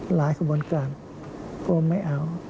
หลายคุณวงการผมไม่เอา